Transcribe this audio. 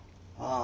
あ